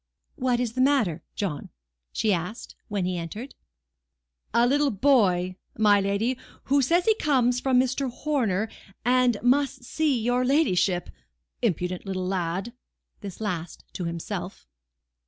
"What is the matter, John?" asked she, when he entered, "A little boy, my lady, who says he comes from Mr. Horner, and must see your ladyship. Impudent little lad!" (This last to himself.)